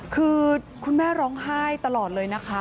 คือคุณแม่ร้องไห้ตลอดเลยนะคะ